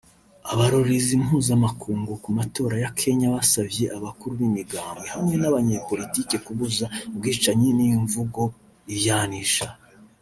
Abarorerezi mpuzamakungu ku matora ya Kenya basavye abakuru b'imigambwe hamwe n'abanyepolitike kubuza ubwicanyi n'imvugo iryanisha